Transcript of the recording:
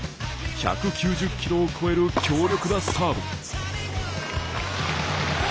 １９０キロを超える強力なサーブ。